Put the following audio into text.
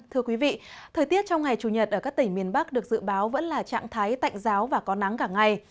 thưa quý vị thời tiết trong ngày chủ nhật ở các tỉnh miền bắc được dự báo vẫn là trạng thái tạnh giáo và có nắng cả ngày